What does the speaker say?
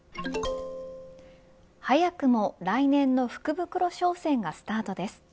早くも来年の福袋商戦がスタートです。